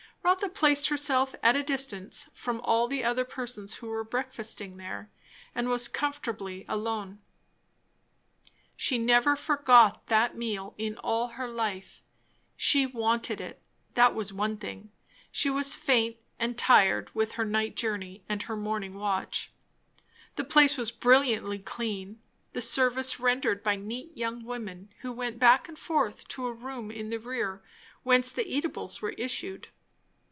Rotha placed herself at a distance from all the other persons who were breakfasting there, and was comfortably alone. She never forgot that meal in all her life. She wanted it; that was one thing; she was faint and tired, with her night journey and her morning watch. The place was brilliantly clean; the service rendered by neat young women, who went back and forth to a room in the rear whence the eatables were issued.